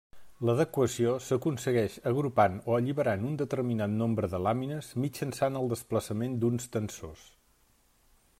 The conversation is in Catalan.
L'adequació s'aconsegueix agrupant o alliberant un determinat nombre de làmines mitjançant el desplaçament d'uns tensors.